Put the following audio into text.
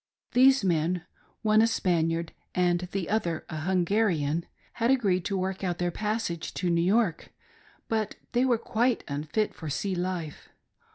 These men — one a Spaniard, and th$ other a Hungarian — had agreed to work out their passage tp New York, but they were quite unfit for sea life.